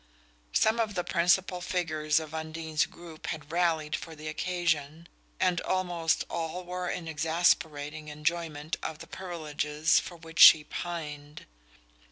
Some of the principal figures of Undine's group had rallied for the occasion, and almost all were in exasperating enjoyment of the privileges for which she pined.